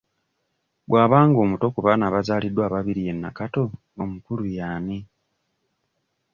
Bw'aba nga omuto ku baana abazaaliddwa ababiri ye Nakato omukulu y'ani?